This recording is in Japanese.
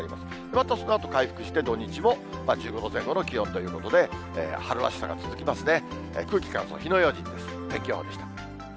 またそのあと回復して、土日も１５度前後の気温ということで、春らしさが続きますね。